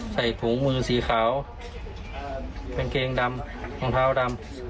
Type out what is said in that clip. ใส่ถุงมือสีขาวกางเกงดำรองเท้าดำ